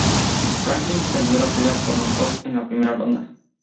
Franklin perdió la pelea por nocaut en la primera ronda.